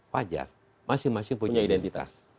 wajar masing masing punya identitas